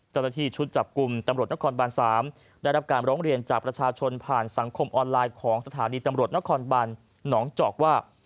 เจ้าหน้าที่ชุดจับกลุ่มตำรวจนครบาน๓ได้รับการร้องเรียนจากประชาชนผ่านสังคมออนไลน์ของสถานีตำรวจนครบันหนองจอกว่า